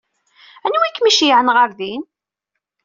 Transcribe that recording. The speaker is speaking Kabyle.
Anwa i kem-iceyyɛen ɣer din?